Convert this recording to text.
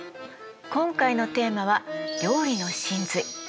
今回のテーマは「料理の神髄」。